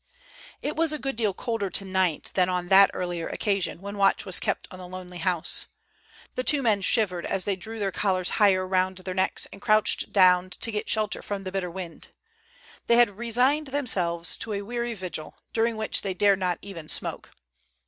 It was a good deal colder tonight than on that earlier occasion when watch was kept on the lonely house. The two men shivered as they drew their collars higher round their necks, and crouched down to get shelter from the bitter wind. They had resigned themselves to a weary vigil, during which they dared not even smoke.